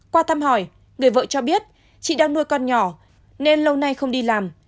qua thăm hỏi người vợ cho biết chị đang nuôi con nhỏ nên lâu nay không đi làm